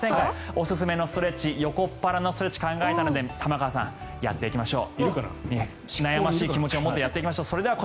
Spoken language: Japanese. おすすめのストレッチ横っ腹のストレッチ考えたので玉川さんやっていきましょう。